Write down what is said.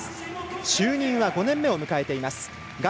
就任は５年目を迎えています。